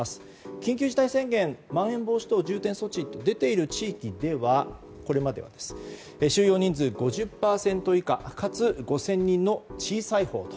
緊急事態宣言まん延防止等重点措置が出ている地域では収容人数５０％以下かつ５０００人の小さいほうと。